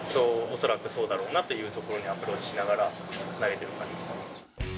恐らくそうだろうなというところにアプローチしながら投げてる感じです。